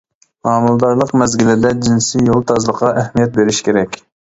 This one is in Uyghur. ھامىلىدارلىق مەزگىلىدە جىنسىي يول تازىلىقىغا ئەھمىيەت بېرىش كېرەك.